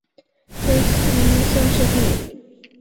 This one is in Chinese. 江西乡试第五名。